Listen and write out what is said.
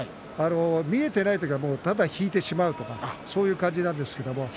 見えていない時はただ引いてしまうという感じなんです。